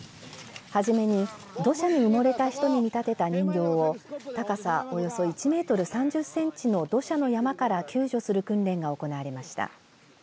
はじめに土砂に埋もれた人に見立てた人形を高さおよそ１メートル３０センチの土砂の山から救助する訓練が行われました。